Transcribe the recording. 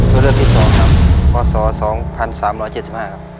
ตัวเลือกที่สองครับพอสอสองพันสามร้อยเจ็ดสิบห้าครับ